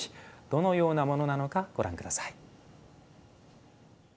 どのようなものなのかご覧ください。